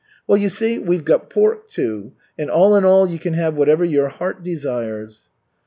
"Well, you see, we've got pork too, and all in all you can have whatever your heart desires."